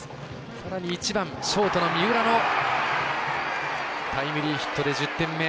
さらに１番、ショートの三浦のタイムリーヒットで１０点目。